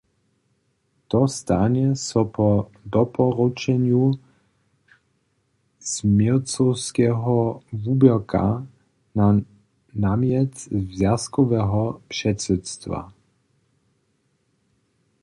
To stanje so po doporučenju změrcowskeho wuběrka na namjet zwjazkoweho předsydstwa.